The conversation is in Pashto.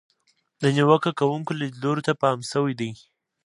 د نیوکه کوونکو لیدلورو ته پام شوی دی.